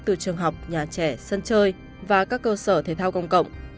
từ trường học nhà trẻ sân chơi và các cơ sở thể thao công cộng